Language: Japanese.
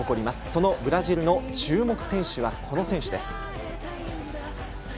そのブラジルの注目選手はこの選手です。